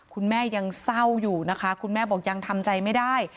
คุณแม่ยังเศร้าอยู่นะคะคุณแม่บอกยังทำใจไม่ได้